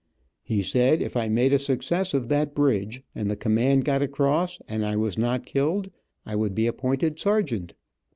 He said if I made a success of that bridge, and the command got across, and I was not killed I would be appointed sergeant.